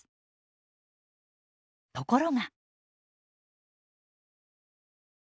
ところが。